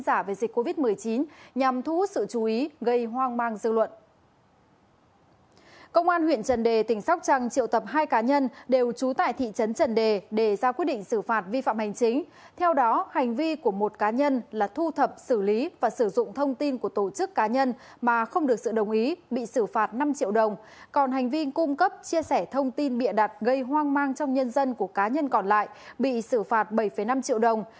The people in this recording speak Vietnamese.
công an huyện trần đề tỉnh sóc trăng triệu tập hai cá nhân đều trú tại thị trấn trần đề xử lý và sử dụng thông tin của tổ chức cá nhân mà không được sự đồng ý bị xử phạt bảy triệu đồng